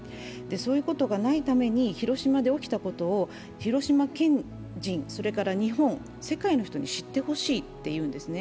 そういうことがないために広島で起きたことを広島県人、それから日本世界の人に知ってほしいって言うんですね。